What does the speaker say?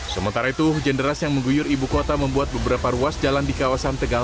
sementara itu hujan deras yang mengguyur ibu kota membuat beberapa ruas jalan di kawasan tegal